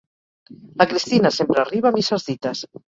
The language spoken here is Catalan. La Cristina sempre arriba a misses dites.